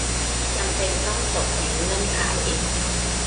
จำเป็นต้องตกในเงื่อนไข